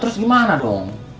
terus gimana dong